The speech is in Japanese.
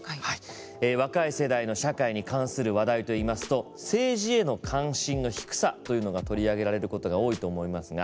若い世代の社会に関する話題といいますと政治への関心の低さというのが取り上げられることが多いと思いますが。